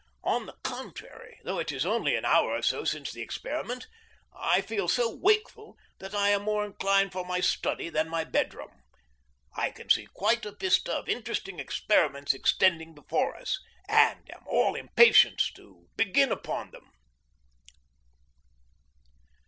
On the contrary, though it is only an hour or so since the experiment, I feel so wakeful that I am more inclined for my study than my bedroom. I see quite a vista of interesting experiments extending before us, and am all impatience to begin upon them.